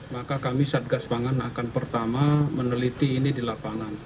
maka kami satgas pangan akan pertama meneliti ini di lapangan